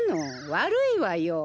悪いわよ。